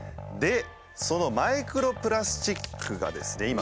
でそのマイクロプラスチックがですね